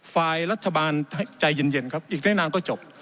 ฝ่ายรัฐบาลใจเย็นครับอีกไม่นานก็จบ